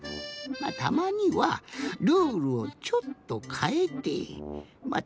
たまにはルールをちょっとかえてまあ